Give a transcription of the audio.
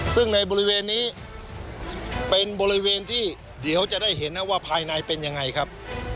ซึ่งในบริเวณนี้เป็นบริเวณที่เดี๋ยวจะได้เห็นนะว่าภายในเป็นยังไงครับ